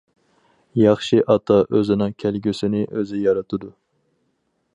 ياخشى ئاتا ئۆزىنىڭ كەلگۈسىنى ئۆزى يارىتىدۇ.